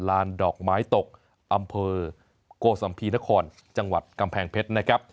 ลานดอกไม้ตกอำเภอโกสัมภีนครจังหวัดกำแพงเพชรนะครับ